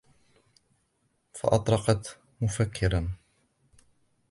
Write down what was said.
فَأَطْرَقْت مُفَكِّرًا